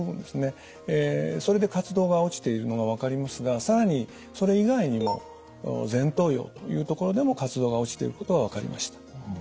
それで活動が落ちているのが分かりますが更にそれ以外にも前頭葉というところでも活動が落ちていることが分かりました。